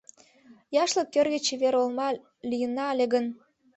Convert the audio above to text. Яшлык кӧргӧ чевер олма лийына ыле гын